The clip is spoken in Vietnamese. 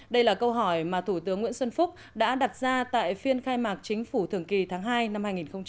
đây là câu hỏi mà thủ tướng nguyễn xuân phúc đã đặt ra tại phiên khai mạc chính phủ thường kỳ tháng hai năm hai nghìn hai mươi